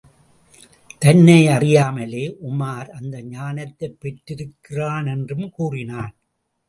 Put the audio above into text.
தன்னை அறியாமலே உமார் அந்த ஞானத்தைப் பெற்றிருக்கிறானென்றும் கூறினான்.